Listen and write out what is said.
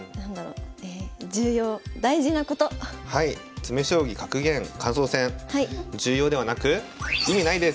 詰将棋格言感想戦重要ではなく「意味ないです」。